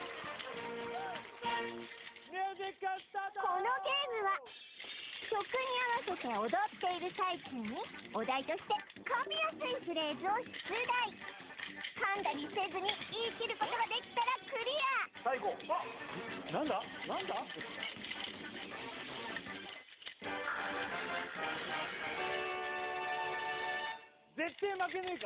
このゲームは曲に合わせて踊っている最中にお題として噛みやすいフレーズを出題噛んだりせずに言い切ることができたらクリアさあい